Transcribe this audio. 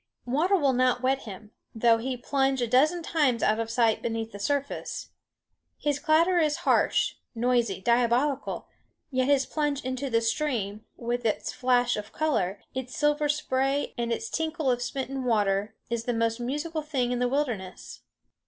Water will not wet him, though he plunge a dozen times out of sight beneath the surface. His clatter is harsh, noisy, diabolical; yet his plunge into the stream, with its flash of color, its silver spray, and its tinkle of smitten water, is the most musical thing in the wilderness.